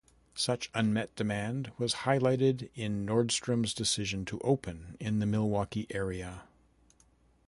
Such unmet demand was highlighted in Nordstrom's decision to open in the Milwaukee area.